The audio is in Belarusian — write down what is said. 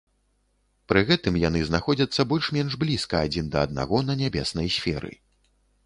Пры гэтым яны знаходзяцца больш-менш блізка адзін да аднаго на нябеснай сферы.